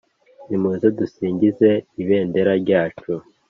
Nimuze dusingize Ibendera ryacu.